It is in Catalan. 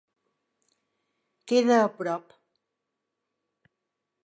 Queda a prop.